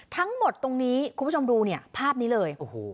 ทั้งหมดตรงนี้คุณผู้ชมดูเนี่ยภาพนี้เลย